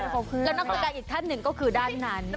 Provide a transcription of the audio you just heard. น้องกระดาษอีกท่านหนึ่งก็คือด้านนั้น